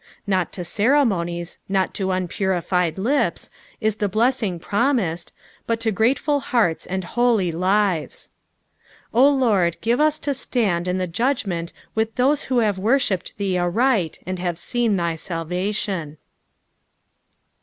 Not to ceremonies, not to unporified lips, is tile blessing promised, but to grateful hearts and holy O Lord, give ua to stand in the judgment with those who have worshipped thee aright and have seen thf salvation.